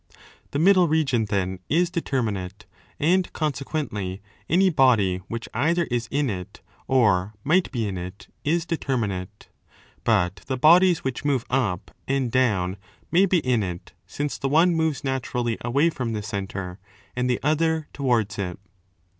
2 The middle region then is determinate, and consequently any body which either is in it, or might be in it, is determinate. 20 But the bodies which move up and down may be in it, since the one moves naturally away from the centre and the other towards it.